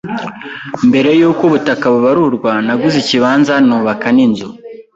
mbere yuko ubutaka bubarurwa naguze ikibanza nubaka n’inzu